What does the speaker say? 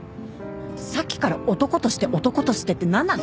さっきから「男として男として」って何なの？